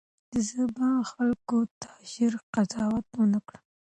زه به خلکو ته ژر قضاوت ونه کړم.